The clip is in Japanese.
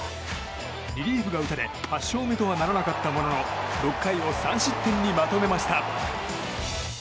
リリーフが打たれ８勝目とはならなかったものの６回を３失点にまとめました。